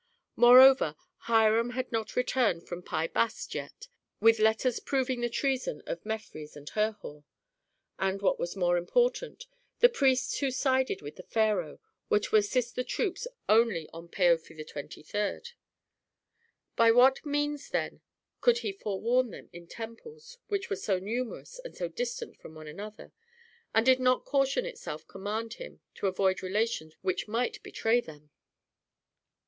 Moreover, Hiram had not returned from Pi Bast yet with letters proving the treason of Mefres and Herhor. And what was more important, the priests who sided with the pharaoh were to assist the troops only on Paofi 23d. By what means then could he forewarn them in temples which were so numerous and so distant from one another? And did not caution itself command him to avoid relations which might betray them?